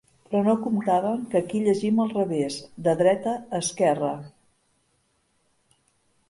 Però no comptaven que aquí llegim del revés, de dreta a esquerra!